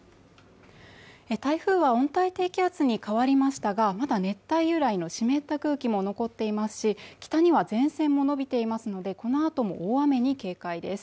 台風は温帯低気圧に変わりましたがまだ熱帯由来の湿った空気も残っていますし北には前線も延びていますのでこのあとも大雨に警戒です